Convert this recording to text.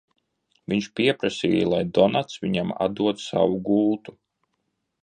Viņš pieprasīja, lai Donats viņam atdod savu gultu.